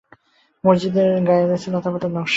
মসজিদের গায়ে রয়েছে লতাপাতার নকশা।